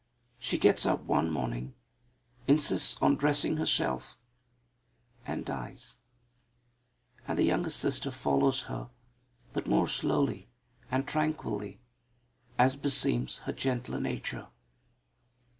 She gets up one morning, insists on dressing herself, and dies; and the youngest sister follows her but more slowly and tranquilly, as beseems her gentler nature.